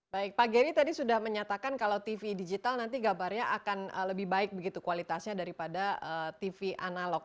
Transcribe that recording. baik pak geri tadi sudah menyatakan kalau tv digital nanti gabarnya akan lebih baik begitu kualitasnya daripada tv analog